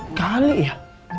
gak ada ya